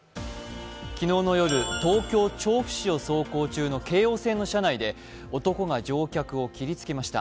昨日の夜、東京・調布市を走行中の車内で男が乗客を切りつけました。